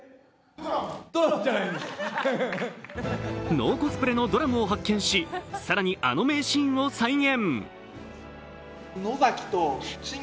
ノーコスプレのドラムを発見し、更にあの名シーンを再現。